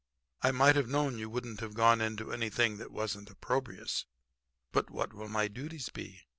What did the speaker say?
'I might have known you wouldn't have gone into anything that wasn't opprobrious. But what will my duties be?